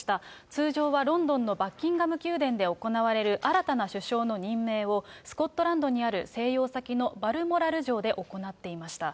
通常はロンドンのバッキンガム宮殿で行われる新たな首相の任命を、スコットランドにある静養先のバルモラル城で行っていました。